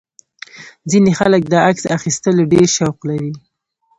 ځینې خلک د عکس اخیستلو ډېر شوق لري.